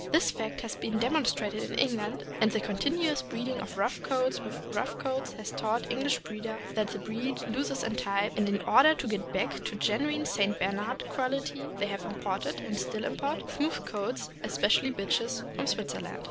This fact has been demonstrated in England, and the continuous breeding of rough coats with rough coats has taught English breeders that the breed loses in type; and in order to get back to genuine St. Bernard quality they have imported, and still import, smooth coats, especially bitches, from Switzerland.